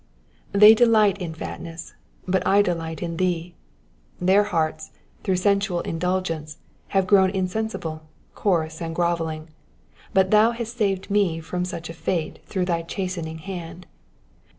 '*^ They delight in fatness, but I delight in thee. Their hearts, through sensual indulgence, have grown insensible, coarse, and grovelling ; but thou hast saved me from such a fate through thy chastening hand.